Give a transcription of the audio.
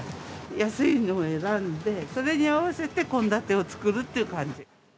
安いのを選んで、それに合わせて献立を作るっていう感じ。